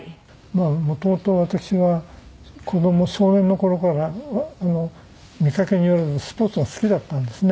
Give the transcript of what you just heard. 元々私は少年の頃から見かけによらずスポーツが好きだったんですね。